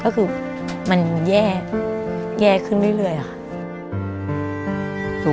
ก็คือมันแย่ขึ้นเรื่อยค่ะ